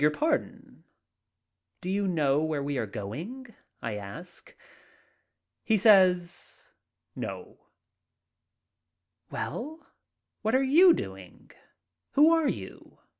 I ARRIVE IN LONDON 49 "Do you know where we are going?" I ask. He says, "No." "Well, what are you doing — Who are you?"